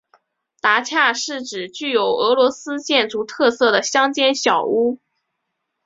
达恰是指具有俄罗斯建筑特色的乡间小屋。